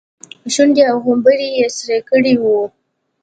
شونډې او غومبري يې سره کړي وو.